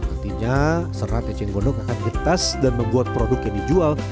artinya serat eceng gondong akan gertas dan membuat produk yang dijual